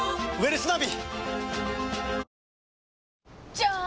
じゃーん！